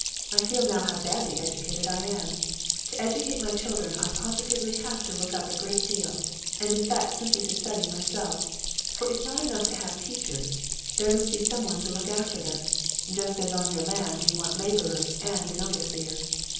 I feel now how badly educated I am. To educate my children I positively have to look up a great deal, and in fact simply to study myself. For it's not enough to have teachers, there must be someone to look after them, just as on your land you want laborers and an overseer.